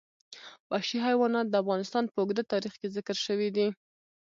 وحشي حیوانات د افغانستان په اوږده تاریخ کې ذکر شوي دي.